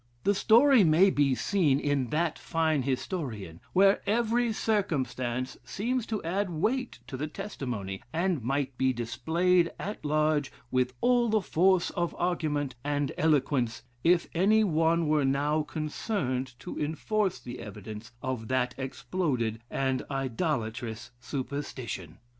The story may be seen in that fine historian; where every circumstance seems to add weight to the testimony, and might be displayed at large with all the force of argument and eloquence, if any one were now concerned to enforce the evidence of that exploded and idolatrous superstition.